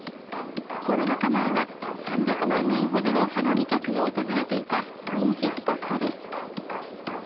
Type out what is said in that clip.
コロナ禍前は、３００万人ほどの花見客が訪れていた人気スポットです。